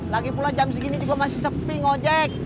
lagi pula jam segini juga masih sepi ngojek